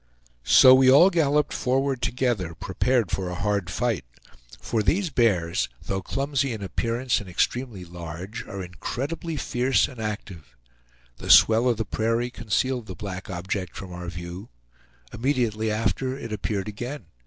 So we all galloped forward together, prepared for a hard fight; for these bears, though clumsy in appearance and extremely large, are incredibly fierce and active. The swell of the prairie concealed the black object from our view. Immediately after it appeared again.